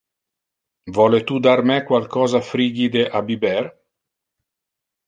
Vole tu dar me qualcosa frigide a biber?